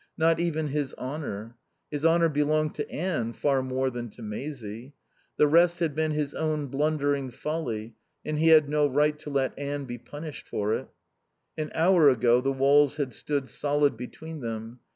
Not even his honour. His honour belonged to Anne far more than to Maisie. The rest had been his own blundering folly, and he had no right to let Anne be punished for it. An hour ago the walls had stood solid between them.